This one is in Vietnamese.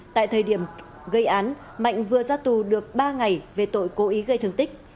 tại thời điểm gây án mạnh vừa ra tù được ba ngày về tội cố ý gây thương tích